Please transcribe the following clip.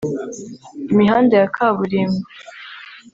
Imihanda ya kaburimbo